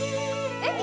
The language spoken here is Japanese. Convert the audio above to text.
えっ？